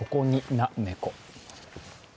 な猫。